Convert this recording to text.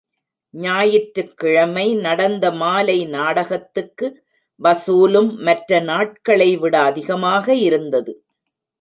ஞாயிற்றுக்கிழமை நடந்த மாலை நாடகத்துக்கு வசூலும் மற்ற நாட்களைவிட அதிகமாக இருந்தது.